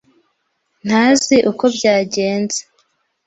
ntazi uko byagenze.